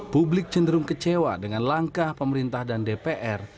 publik cenderung kecewa dengan langkah pemerintah dan dpr